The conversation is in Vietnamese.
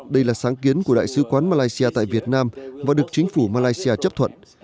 đây là sáng kiến của đại sứ quán malaysia tại việt nam và được chính phủ malaysia chấp thuận